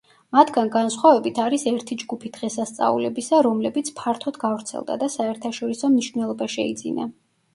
მათგან განსხვავებით არის ერთი ჯგუფი დღესასწაულებისა, რომლებიც ფართოდ გავრცელდა და საერთაშორისო მნიშვნელობა შეიძინა.